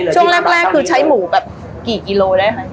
ช่วงแรกแรกคือใช้หมูกี่กิโลได้